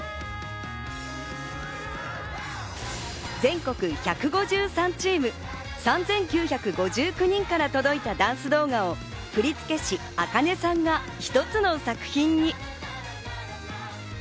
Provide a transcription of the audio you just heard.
全国１５３チーム、３９５９人から届いたダンス動画を振付師ａｋａｎｅさんが一つの作品に。